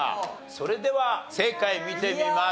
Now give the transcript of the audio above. それでは正解見てみましょう。